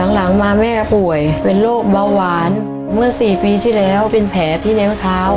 หลังมาแม่ป่วยเป็นโรคเบาหวานเมื่อ๔ปีที่แล้วเป็นแผลที่เล้าเท้า